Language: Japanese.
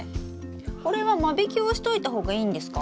これは間引きをしといた方がいいんですか？